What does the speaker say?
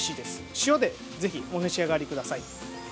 塩でぜひお召し上がりください。